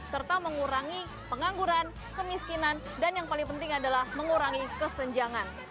serta mengurangi pengangguran kemiskinan dan yang paling penting adalah mengurangi kesenjangan